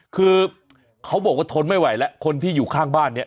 คือเขาบอกว่าทนไม่ไหวแล้วคนที่อยู่ข้างบ้านเนี่ย